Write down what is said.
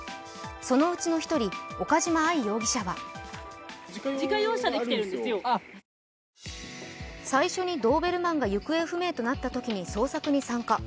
そのうちの一人、岡島愛容疑者は最初にドーベルマンが行方不明となったときに捜索に参加。